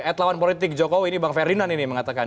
at lawan politik jokowi ini bang ferdinand ini mengatakan